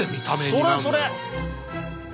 それそれ。